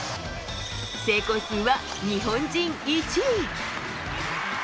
成功数は日本人１位。